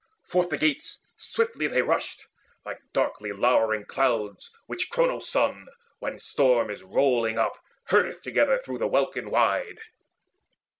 Forth the gates Swiftly they rushed, like darkly lowering clouds Which Cronos' Son, when storm is rolling up, Herdeth together through the welkin wide.